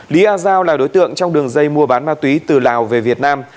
lý a giao là đối tượng trong đường dây mua bán ma túy từ lào về việt nam